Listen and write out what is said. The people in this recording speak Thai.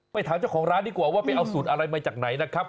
ถามเจ้าของร้านดีกว่าว่าไปเอาสูตรอะไรมาจากไหนนะครับ